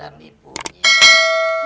dan ibu ini